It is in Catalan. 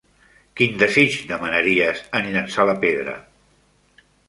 Quin desig demanaries en llançar la pedra?